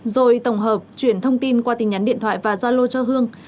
rồi tổng hợp chuyển thông tin qua tin nhắn điện thoại và gia lô cho hương